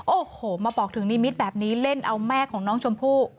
โอ้โหมาบอกถึงนิมิตรแบบนี้เล่นเอาแม่ของน้องชมพู่